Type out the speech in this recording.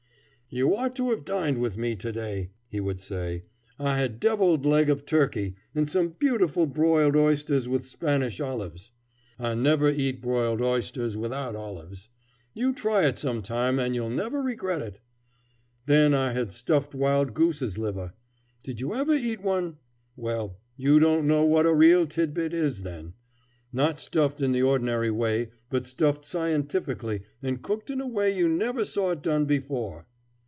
"You ought to have dined with me to day," he would say. "I had a deviled leg of turkey, and some beautiful broiled oysters with Spanish olives. I never eat broiled oysters without olives. You try it sometime, and you'll never regret it. Then I had a stuffed wild goose's liver. Did you ever eat one? Well, you don't know what a real titbit is, then. Not stuffed in the ordinary way, but stuffed scientifically and cooked in a way you never saw it done before."